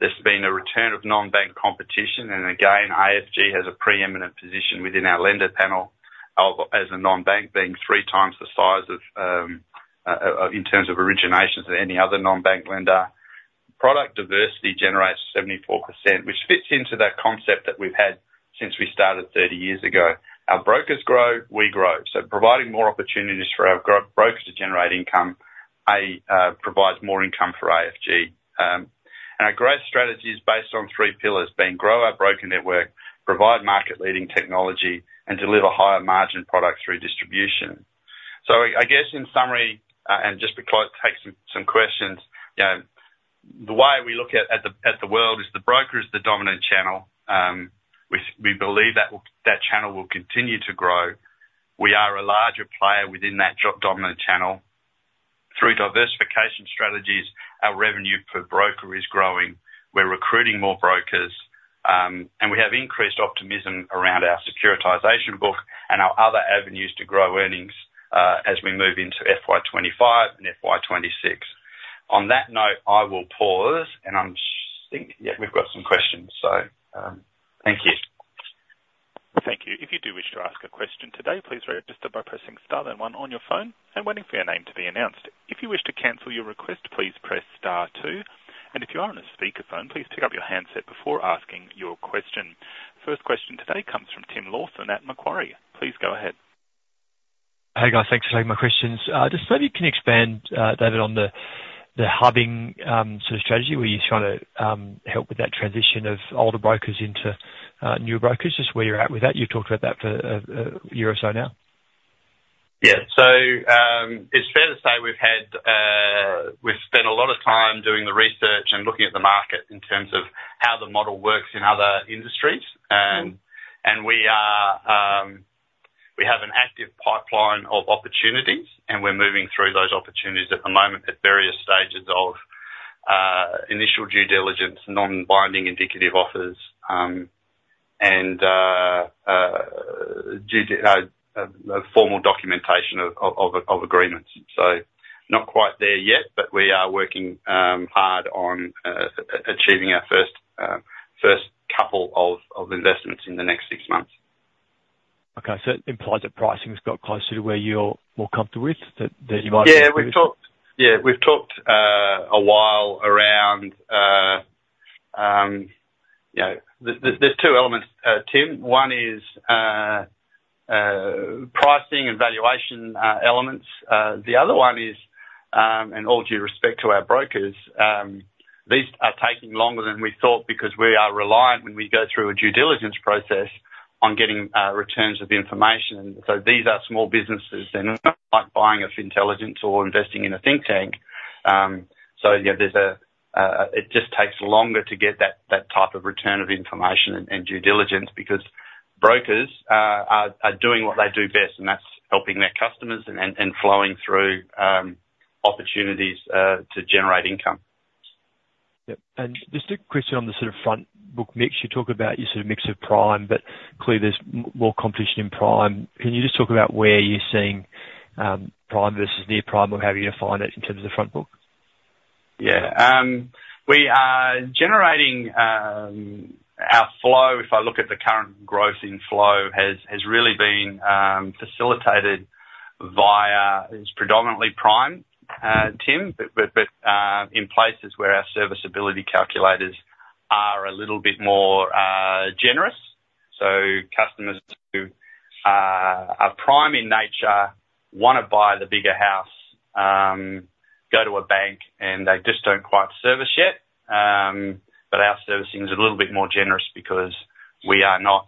There's been a return of non-bank competition, and again, AFG has a preeminent position within our lender panel as a non-bank, being three times the size of, in terms of originations, than any other non-bank lender. Product diversity generates 74%, which fits into that concept that we've had since we started thirty years ago. Our brokers grow, we grow, so providing more opportunities for our brokers to generate income provides more income for AFG. And our growth strategy is based on three pillars, being grow our broker network, provide market-leading technology, and deliver higher margin products through distribution. So I guess, in summary, and just to take some questions, you know. The way we look at the world is the broker is the dominant channel, which we believe that channel will continue to grow. We are a larger player within that dominant channel. Through diversification strategies, our revenue per broker is growing. We're recruiting more brokers, and we have increased optimism around our securitization book and our other avenues to grow earnings, as we move into FY 2025 and FY 2026. On that note, I will pause and yeah, we've got some questions, so, thank you. Thank you. If you do wish to ask a question today, please register by pressing star then one on your phone and waiting for your name to be announced. If you wish to cancel your request, please press star two, and if you are on a speakerphone, please pick up your handset before asking your question. First question today comes from Tim Lawson at Macquarie. Please go ahead. Hey, guys. Thanks for taking my questions. Just so you can expand, David, on the hubbing sort of strategy, where you're trying to help with that transition of older brokers into new brokers, just where you're at with that. You've talked about that for a year or so now. Yeah. So, it's fair to say we've had. We've spent a lot of time doing the research and looking at the market in terms of how the model works in other industries. And we are, we have an active pipeline of opportunities, and we're moving through those opportunities at the moment at various stages of initial due diligence, non-binding indicative offers, and a formal documentation of agreements. So not quite there yet, but we are working hard on achieving our first couple of investments in the next six months. Okay. So it implies that pricing's got closer to where you're more comfortable with, that you might- Yeah, we've talked a while around. You know, there's two elements, Tim. One is pricing and valuation elements. The other one is, and all due respect to our brokers, these are taking longer than we thought because we are reliant when we go through a due diligence process on getting returns of the information. So these are small businesses, and it's not like buying a Fintelligence or investing in a Thinktank. So, you know, there's a it just takes longer to get that type of return of information and due diligence because brokers are doing what they do best, and that's helping their customers and flowing through opportunities to generate income. Yep. And just a question on the sort of front book mix. You talk about your sort of mix of prime, but clearly there's more competition in prime. Can you just talk about where you're seeing, prime versus near prime, or how you define it in terms of the front book? Yeah. We are generating our flow. If I look at the current growth in flow, has really been facilitated via... It's predominantly prime, Tim, but in places where our serviceability calculators are a little bit more generous, so customers who are prime in nature wanna buy the bigger house, go to a bank, and they just don't quite service yet, but our servicing is a little bit more generous because we are not,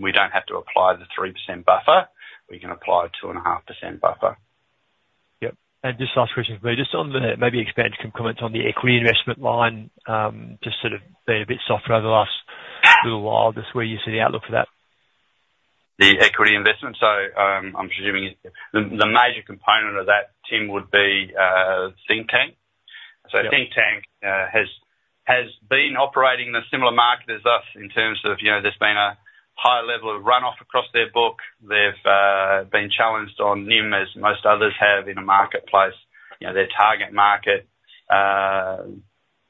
we don't have to apply the 3% buffer. We can apply a 2.5% buffer. Yep, and just last question for you. Just on the, maybe expand, some comments on the equity investment line, just sort of being a bit softer over the last little while. Just where you see the outlook for that? The equity investment? So, I'm presuming the major component of that, Tim, would be Thinktank. Yeah. So Thinktank has been operating in a similar market as us in terms of, you know, there's been a higher level of runoff across their book. They've been challenged on NIM, as most others have in the marketplace. You know, their target market,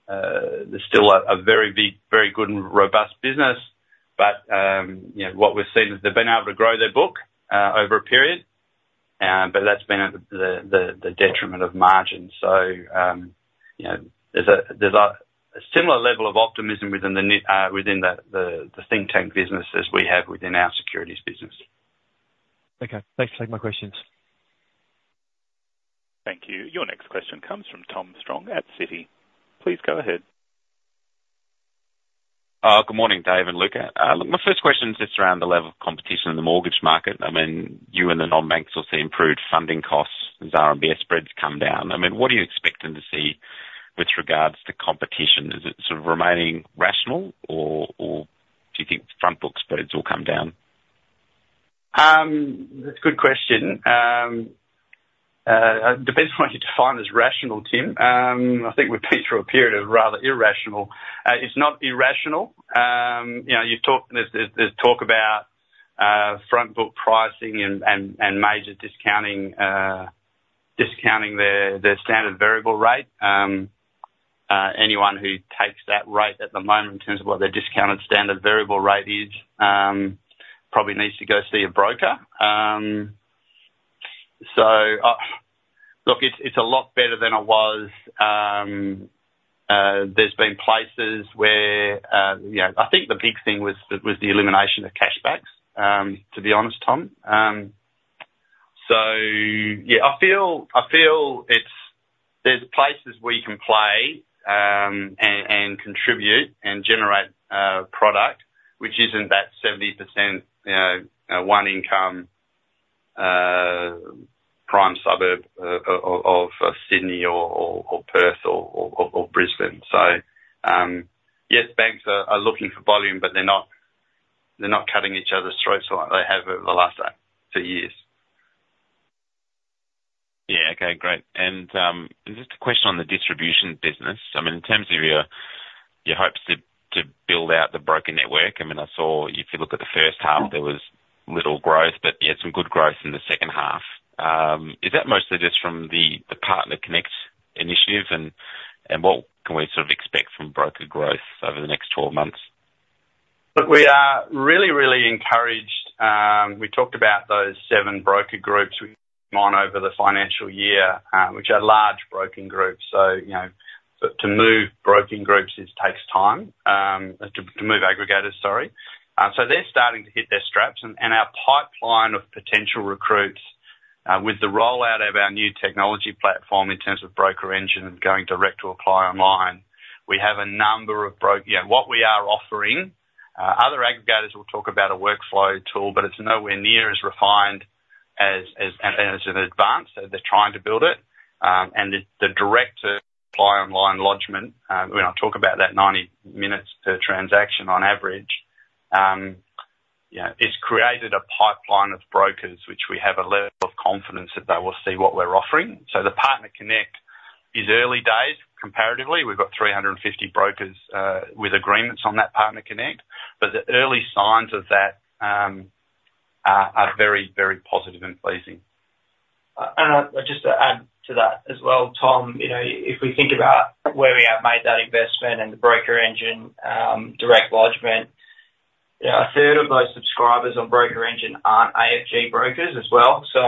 there's still a very big, very good and robust business, but, you know, what we've seen is they've been able to grow their book over a period, but that's been at the detriment of margin. So, you know, there's a similar level of optimism within the Thinktank business as we have within our securities business. Okay. Thanks for taking my questions. Thank you. Your next question comes from Tom Strong at Citi. Please go ahead. Good morning, Dave and Luca. Look, my first question is just around the level of competition in the mortgage market. I mean, you and the non-banks will see improved funding costs as RMBS spreads come down. I mean, what are you expecting to see with regards to competition? Is it sort of remaining rational or do you think front book spreads will come down? That's a good question. Depends on what you define as rational, Tim. I think we've been through a period of rather irrational. It's not irrational. You know, you talk. There's talk about front book pricing and major discounting, discounting their standard variable rate. Anyone who takes that rate at the moment in terms of what their discounted standard variable rate is probably needs to go see a broker, so look, it's a lot better than it was. There's been places where you know. I think the big thing was the elimination of cashbacks, to be honest, Tom. So yeah, I feel, I feel it's. There's places where you can play, and contribute and generate product, which isn't that 70%, you know, prime suburb of Sydney or Brisbane. So yes, banks are looking for volume, but they're not cutting each other's throats like they have over the last two years. Yeah. Okay, great. And just a question on the distribution business. I mean, in terms of your hopes to build out the broker network, I mean, I saw if you look at the first half, there was little growth, but you had some good growth in the second half. Is that mostly just from the Partner Connect initiative? And what can we sort of expect from broker growth over the next twelve months? Look, we are really, really encouraged. We talked about those seven broker groups we've gone over the financial year, which are large broking groups. So, you know, to move broking groups, it takes time, to move aggregators, sorry. So they're starting to hit their straps. And our pipeline of potential recruits, with the rollout of our new technology platform in terms of BrokerEngine and going direct to a client online, we have a number of you know, what we are offering, other aggregators will talk about a workflow tool, but it's nowhere near as refined as an advance. They're trying to build it. And the direct to client online lodgment, when I talk about that 90 minutes per transaction on average, you know, it's created a pipeline of brokers, which we have a level of confidence that they will see what we're offering. So the Partner Connect is early days comparatively. We've got 350 brokers with agreements on that Partner Connect, but the early signs of that are very, very positive and pleasing. And just to add to that as well, Tom, you know, if we think about where we have made that investment and the BrokerEngine Direct, you know, a third of those subscribers on BrokerEngine aren't AFG brokers as well. So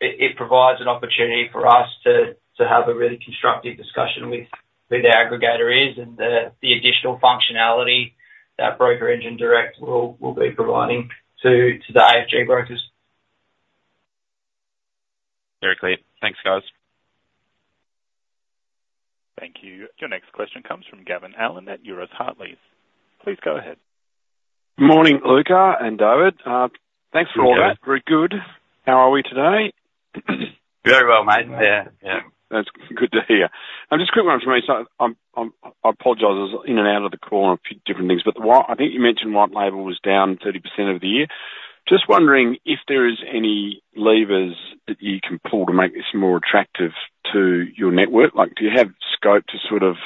it provides an opportunity for us to have a really constructive discussion with who the aggregator is and the additional functionality that BrokerEngine Direct will be providing to the AFG brokers. Very clear. Thanks, guys. Thank you. Your next question comes from Gavin Allen at Euroz Hartleys. Please go ahead. Morning, Luca and David. Thanks for all that. Good morning, Gavin. Very good. How are we today? Very well, mate. Yeah, yeah. That's good to hear. Just a quick one for me. So I apologize, I was in and out of the call on a few different things, but the white label. I think you mentioned white label was down 30% over the year. Just wondering if there is any levers that you can pull to make this more attractive to your network. Like, do you have scope to sort of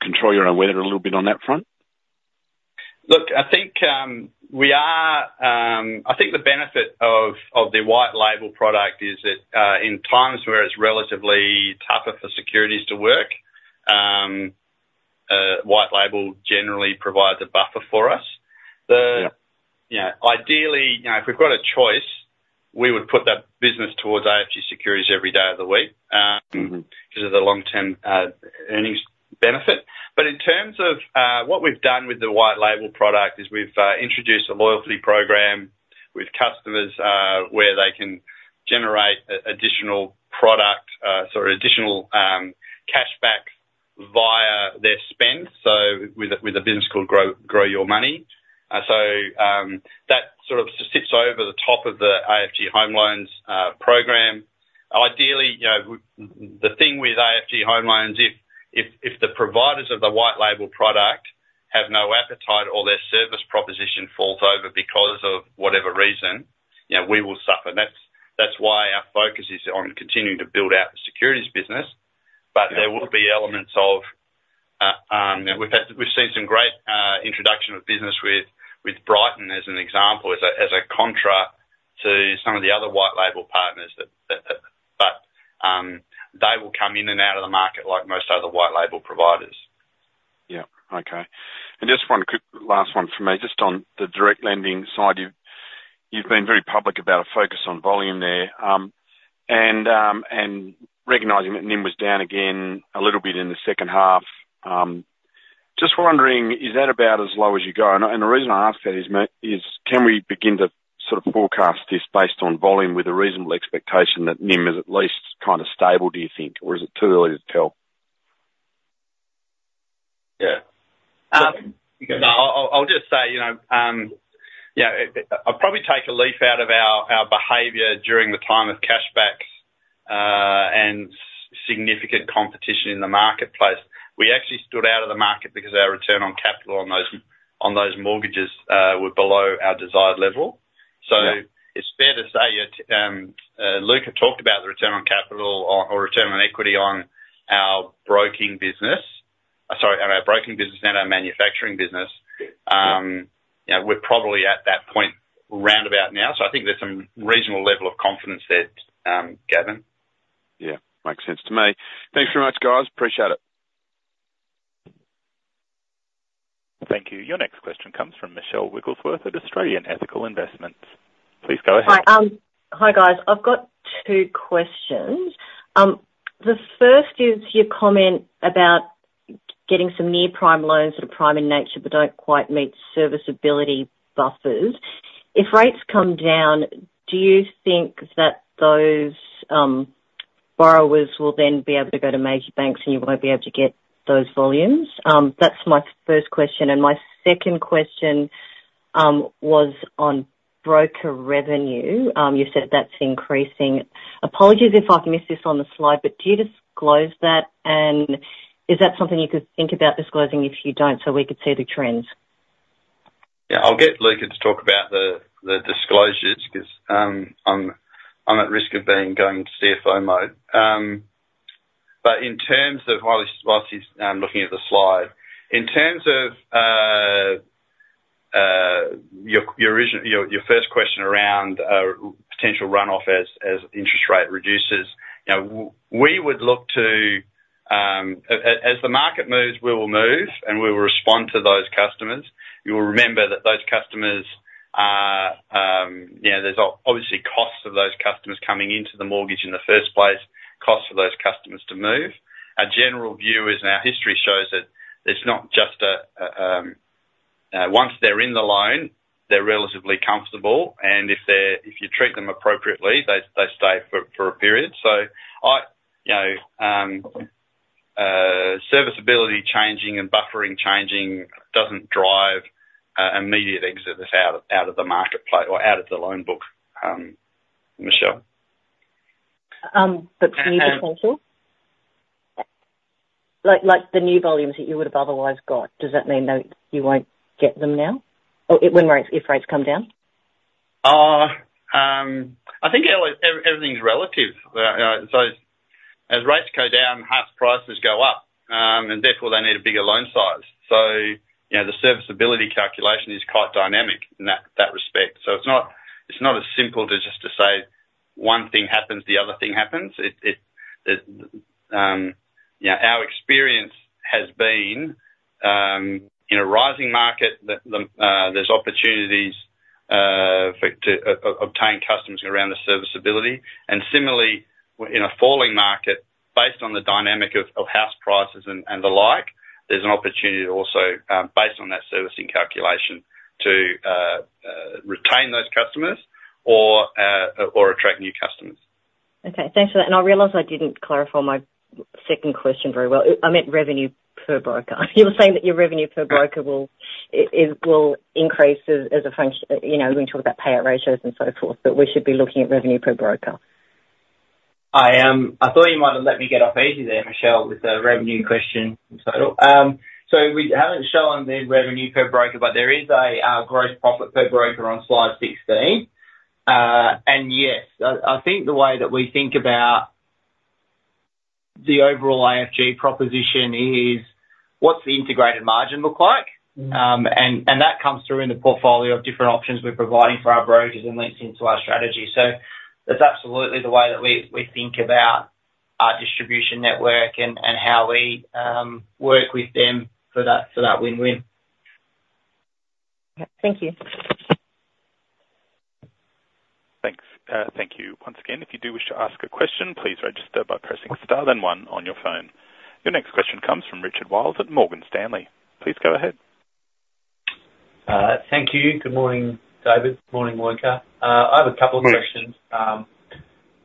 control your own weather a little bit on that front? Look, I think the benefit of the white label product is that in times where it's relatively tougher for securities to work, white label generally provides a buffer for us. Yeah. You know, ideally, you know, if we've got a choice, we would put that business towards AFG Securities every day of the week. Mm-hmm... because of the long-term earnings benefit. But in terms of what we've done with the white label product is we've introduced a loyalty program with customers, where they can generate additional cash back via their spend, so with a business called Grow Your Money. So, that sort of sits over the top of the AFG Home Loans program. Ideally, you know, the thing with AFG Home Loans, if the providers of the white label product have no appetite or their service proposition falls over because of whatever reason, you know, we will suffer. And that's why our focus is on continuing to build out the securities business. Yeah. But there will be elements of... You know, we've seen some great introduction of business with Brighten, as an example, as a contra to some of the other white label partners that... But, they will come in and out of the market, like most other white label providers. Yeah. Okay. And just one quick last one from me. Just on the direct lending side, you've been very public about a focus on volume there. And recognizing that NIM was down again a little bit in the second half, just wondering, is that about as low as you go? And the reason I ask that is, can we begin to sort of forecast this based on volume with a reasonable expectation that NIM is at least kind of stable, do you think, or is it too early to tell? Yeah. No, I'll just say, you know, yeah, I'll probably take a leaf out of our behavior during the time of cashbacks and significant competition in the marketplace. We actually stood out of the market because our return on capital on those mortgages were below our desired level. Yeah. So it's fair to say, Luca talked about the return on capital or return on equity on our broking business. Sorry, on our broking business and our manufacturing business. Yeah. You know, we're probably at that point roundabout now, so I think there's some reasonable level of confidence there, Gavin. Yeah, makes sense to me. Thanks very much, guys. Appreciate it. Thank you. Your next question comes from Michelle Wigglesworth at Australian Ethical Investment. Please go ahead. Hi. Hi, guys. I've got two questions. The first is your comment about getting some near-prime loans that are prime in nature but don't quite meet serviceability buffers. If rates come down, do you think that those?... borrowers will then be able to go to major banks, and you won't be able to get those volumes? That's my first question, and my second question was on broker revenue. You said that's increasing. Apologies if I've missed this on the slide, but do you disclose that, and is that something you could think about disclosing if you don't, so we could see the trends? Yeah, I'll get Luca to talk about the disclosures, 'cause I'm at risk of being going into CFO mode. But in terms of, while he's whilst he's looking at the slide, in terms of your first question around potential runoff as interest rate reduces, you know, we would look to. As the market moves, we will move, and we will respond to those customers. You'll remember that those customers are, you know, there's obviously costs of those customers coming into the mortgage in the first place, costs for those customers to move. Our general view is, and our history shows that it's not just a. Once they're in the loan, they're relatively comfortable, and if you treat them appropriately, they stay for a period. So I, you know, serviceability changing and buffering changing doesn't drive immediate exits out of the loan book, Michelle. But can you just confirm? Like, the new volumes that you would have otherwise got, does that mean that you won't get them now, or when rates, if rates come down? I think everything's relative. So as rates go down, house prices go up, and therefore they need a bigger loan size. So, you know, the serviceability calculation is quite dynamic in that respect. So it's not as simple to just say, one thing happens, the other thing happens. It. You know, our experience has been, in a rising market, that there's opportunities, for to obtain customers around the serviceability, and similarly, in a falling market, based on the dynamic of house prices and the like, there's an opportunity also, based on that servicing calculation, to retain those customers or attract new customers. Okay, thanks for that. And I realize I didn't clarify my second question very well. I meant revenue per broker. You were saying that your revenue per broker will, it will increase as a function, you know, when we talk about payout ratios and so forth, but we should be looking at revenue per broker. I thought you might have let me get off easy there, Michelle, with the revenue question, so we haven't shown the revenue per broker, but there is a gross profit per broker on slide sixteen, and yes, I think the way that we think about the overall AFG proposition is: What's the integrated margin look like? Mm. And that comes through in the portfolio of different options we're providing for our brokers and links into our strategy. So that's absolutely the way that we think about our distribution network and how we work with them for that win-win. Thank you. Thanks. Thank you. Once again, if you do wish to ask a question, please register by pressing star then one on your phone. Your next question comes from Richard Wiles at Morgan Stanley. Please go ahead. Thank you. Good morning, David. Morning, Luca. I have a couple of questions. Rich.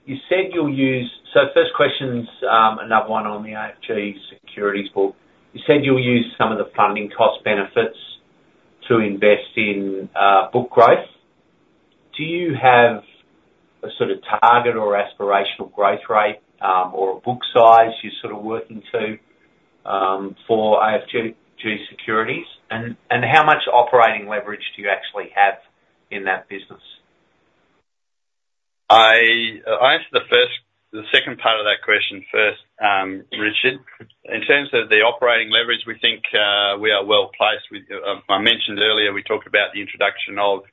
You said you'll use... So first question's another one on the AFG Securities book. You said you'll use some of the funding cost benefits to invest in book growth. Do you have a sort of target or aspirational growth rate or a book size you're sort of working to for AFG Securities? And how much operating leverage do you actually have in that business? I'll answer the second part of that question first, Richard. In terms of the operating leverage, we think we are well placed. With, I mentioned earlier, we talked about the introduction of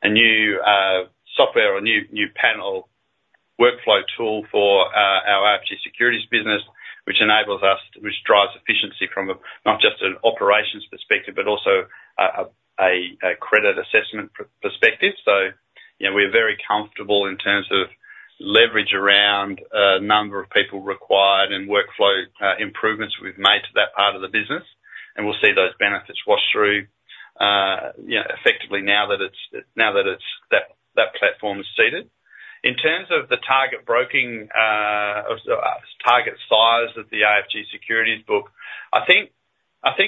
a new software or new panel workflow tool for our AFG Securities business, which enables us to, which drives efficiency from, not just an operations perspective, but also a credit assessment perspective. So, you know, we're very comfortable in terms of leverage around number of people required and workflow improvements we've made to that part of the business, and we'll see those benefits wash through, you know, effectively now that that platform is seated. In terms of the target broking or target size of the AFG Securities book, I think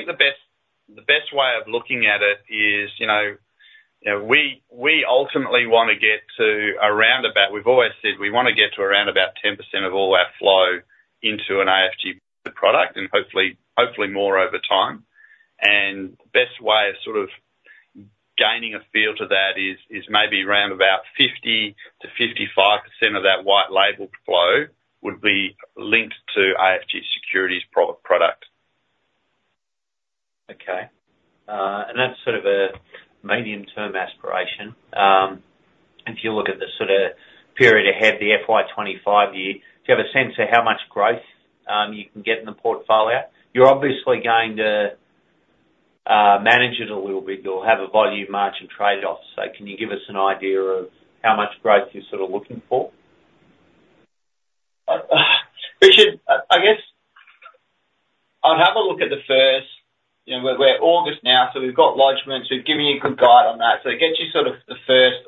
the best way of looking at it is, you know, we ultimately wanna get to around about. We've always said we wanna get to around about 10% of all our flow into an AFG product, and hopefully more over time. The best way of sort of gaining a feel to that is maybe around about 50%-55% of that white label flow would be linked to AFG Securities proprietary product. Okay, and that's sort of a medium-term aspiration. If you look at the sort of period ahead, the FY 2025 year, do you have a sense of how much growth you can get in the portfolio? You're obviously going to manage it a little bit. You'll have a volume margin trade-off. So can you give us an idea of how much growth you're sort of looking for?... you know, we're August now, so we've got lodgements. We've given you a good guide on that, so it gets you sort of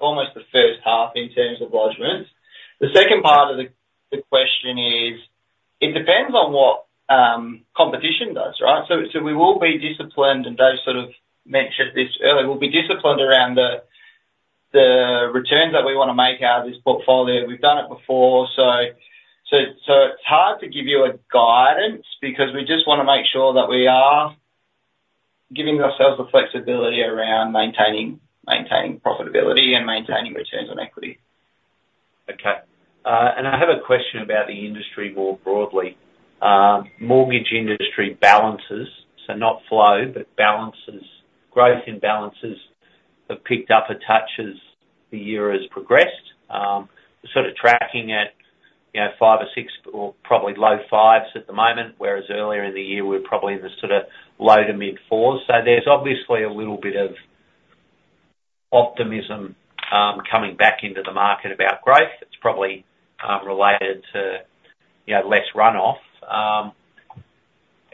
almost the first half in terms of lodgements. The second part of the question is, it depends on what competition does, right? So we will be disciplined, and Dave sort of mentioned this earlier, we'll be disciplined around the returns that we wanna make out of this portfolio. We've done it before, so it's hard to give you a guidance because we just wanna make sure that we are giving ourselves the flexibility around maintaining profitability and maintaining returns on equity. Okay, and I have a question about the industry more broadly. Mortgage industry balances, so not flow, but balances. Growth in balances have picked up a touch as the year has progressed, sort of tracking at, you know, five or six or probably low fives at the moment, whereas earlier in the year we were probably in the sort of low to mid fours. So there's obviously a little bit of optimism coming back into the market about growth that's probably related to, you know, less runoff.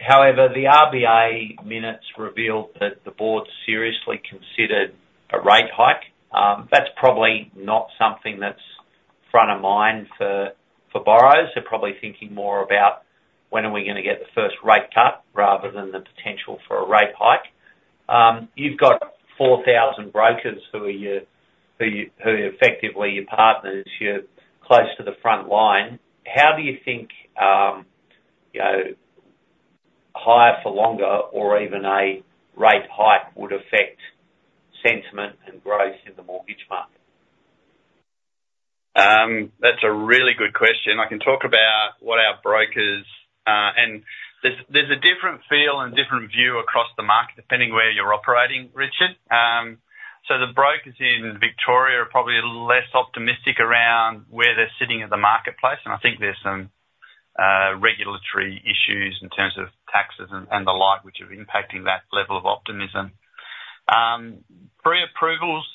However, the RBA minutes revealed that the board seriously considered a rate hike. That's probably not something that's front of mind for borrowers. They're probably thinking more about when are we gonna get the first rate cut, rather than the potential for a rate hike. You've got 4,000 brokers who are effectively your partners. You're close to the front line. How do you think, you know, higher for longer or even a rate hike would affect sentiment and growth in the mortgage market? That's a really good question. I can talk about what our brokers... And there's a different feel and different view across the market, depending where you're operating, Richard. So the brokers in Victoria are probably a little less optimistic around where they're sitting in the marketplace, and I think there's some regulatory issues in terms of taxes and the like, which are impacting that level of optimism. Pre-approvals,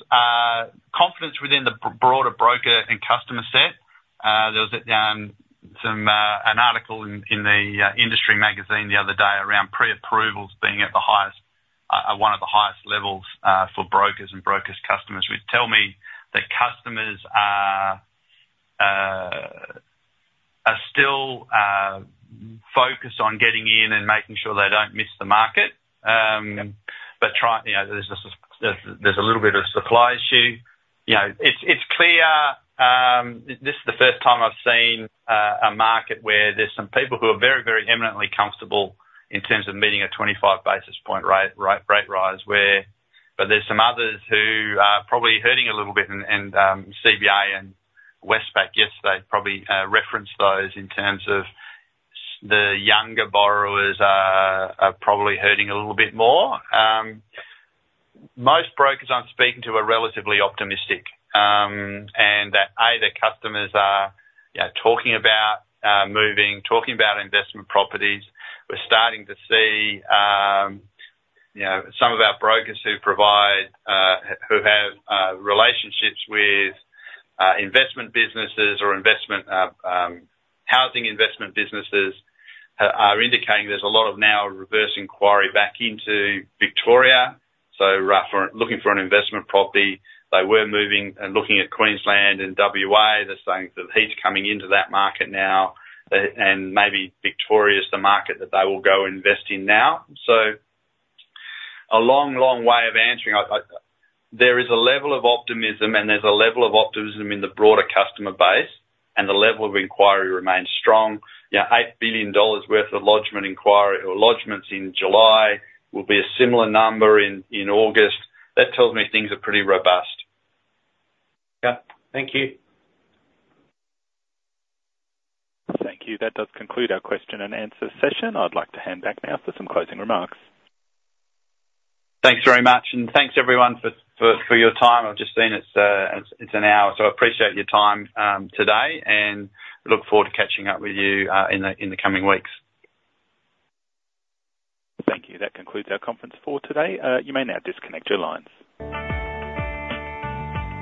confidence within the broader broker and customer set. There was an article in the industry magazine the other day around pre-approvals being at the highest, at one of the highest levels, for brokers and brokers' customers, which tell me that customers are still focused on getting in and making sure they don't miss the market. But you know, there's a little bit of a supply issue. You know, it's clear, this is the first time I've seen a market where there's some people who are very, very eminently comfortable in terms of meeting a 25 basis point rate rise where... But there's some others who are probably hurting a little bit and CBA and Westpac yesterday probably referenced those in terms of the younger borrowers are probably hurting a little bit more. Most brokers I'm speaking to are relatively optimistic and that, A, the customers are, you know, talking about moving, talking about investment properties. We're starting to see, you know, some of our brokers who provide, who have relationships with investment businesses or investment housing investment businesses, are indicating there's a lot of now reverse inquiry back into Victoria. So rather looking for an investment property, they were moving and looking at Queensland and WA. They're saying that the heat's coming into that market now, and maybe Victoria is the market that they will go invest in now. So a long, long way of answering. I There is a level of optimism, and there's a level of optimism in the broader customer base, and the level of inquiry remains strong. You know, 8 billion dollars worth of lodgement inquiry or lodgements in July, will be a similar number in August. That tells me things are pretty robust. Yeah. Thank you. Thank you. That does conclude our question and answer session. I'd like to hand back now for some closing remarks. Thanks very much, and thanks, everyone, for your time. I've just seen it's an hour, so I appreciate your time today and look forward to catching up with you in the coming weeks. Thank you. That concludes our conference call today. You may now disconnect your lines.